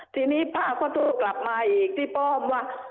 ทีนี้ป้าก็โทรกลับมาอีกที่ป้อมว่า